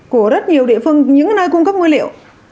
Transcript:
của rất nhiều địa phương những nơi cung cấp nguyên liệu